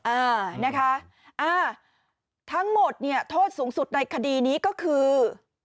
อ่านะคะอ่าทั้งหมดเนี่ยโทษสูงสุดในคดีนี้ก็คือ